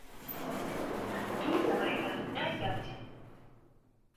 دووره رێگهم نایگاتێ